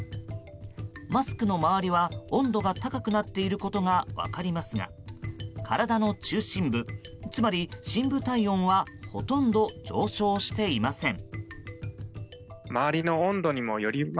マスクの周りは温度が高くなっていることが分かりますが体の中心部、つまり深部体温はほとんど上昇していません。